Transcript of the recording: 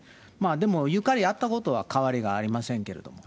でもゆかりあったことは代わりがありませんけれども。